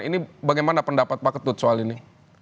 ini bagaimana pendapat pak ketut soal ini